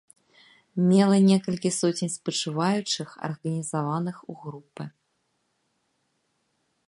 Мела некалькі соцень спачуваючых, арганізаваных у групы.